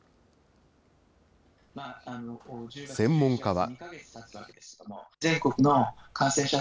専門家は。